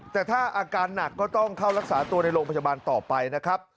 แต่ถ้าอาการหนักก็ต้องเข้ารักษาตัวในโรงพยาบาลต่อไปนะครับ